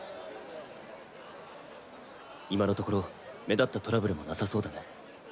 今のところ目立ったトラブルもなさそうだね。